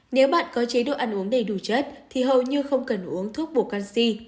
nếu bạn có chế độ ăn uống đầy đủ chất thì hầu như không cần uống thuốc bổ canxi